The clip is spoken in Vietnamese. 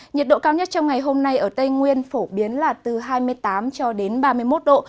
nhiệt độ cao nhất trong ngày hôm nay ở tây nguyên phổ biến là từ hai mươi tám cho đến ba mươi một độ